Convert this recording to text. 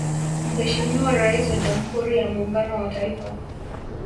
Mheshimiwa Rais wa Jamhuri ya muungano wa Taifa